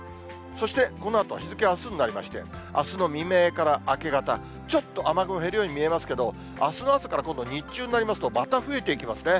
そして、このあと日付あすになりまして、あすの未明から明け方、ちょっと雨雲、減るように見えますけれども、あすの朝から今度、日中になりますと、また増えてきますね。